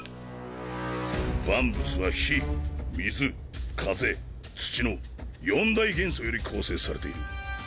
万物は火水風土の四大元素より構成されている。